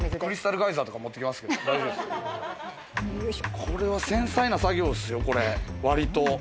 これは繊細な作業ですよ、割と。